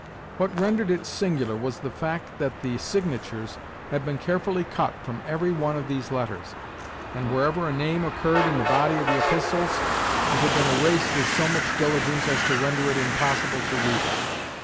What rendered it singular was the fact that the signatures had been carefully cut from every one of these letters, and wherever a name occurred in the body of the epistles it had been erased with so much diligence as to render it impossible to read it.